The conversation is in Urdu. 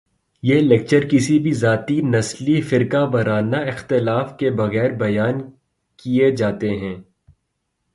یہ لیکچرز کسی بھی ذاتی ، نسلی ، فرقہ ورانہ اختلاف کے بغیر بیان کیے جاتے ہیں